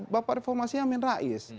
bapak reformasi amin rais